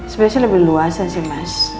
sebenernya lebih luas sih mas